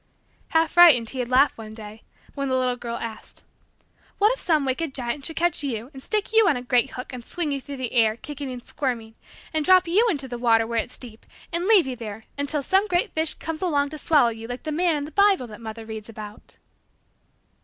Half frightened, he had laughed, one day, when the little girl asked: "What if some wicked giant should catch you and stick you on a great hook and swing you through the air, kicking and squirming, and drop you into the water where it's deep, and leave you there till some great fish comes along to swallow you like the man in the Bible that mother reads about?"